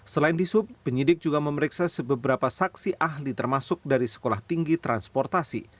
selain disub penyidik juga memeriksa sebeberapa saksi ahli termasuk dari sekolah tinggi transportasi